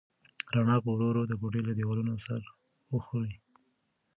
رڼا په ورو ورو د کوټې له دیوالونو سر وخوړ.